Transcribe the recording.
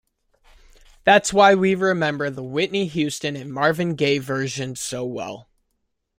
That's why we remember the Whitney Houston and Marvin Gaye versions so well.